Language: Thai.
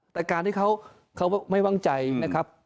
แต่การที่เขาไม่ว่างใจนะครับ